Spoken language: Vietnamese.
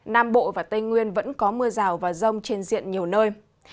nam bộ và tây nguyên vẫn có mưa rào và rông trên diện nhiều nơi